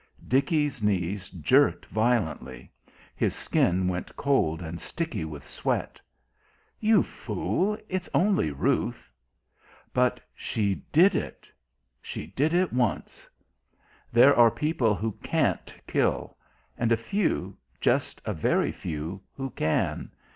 Dickie's knees jerked violently his skin went cold and sticky with sweat. "You fool it's only Ruth!" But she did it she did it once. There are people who can't kill, and a few, just a very few, who can.